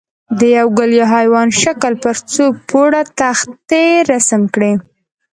د یوه ګل یا حیوان شکل پر څو پوړه تختې رسم کړئ.